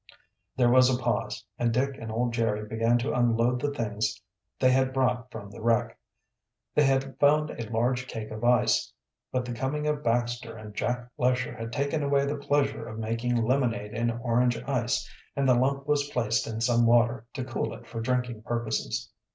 There was a pause, and Dick and old Jerry began to unload the things they had brought from the wreck. They had found a large cake of ice. But the coming of Baxter and Jack Lesher had taken away the pleasure of making lemonade and orange ice, and the lump was placed in some water to cool it for drinking purposes.